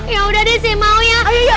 ya udah deh saya mau ya